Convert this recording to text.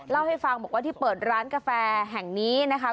เล่าให้ฟังบอกว่าที่เปิดร้านกาแฟแห่งนี้นะคะ